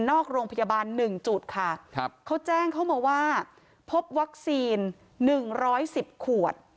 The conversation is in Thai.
นอกโรงพยาบาลหนึ่งจุดค่ะครับเขาแจ้งเข้ามาว่าพบวัคซีนหนึ่งร้อยสิบขวด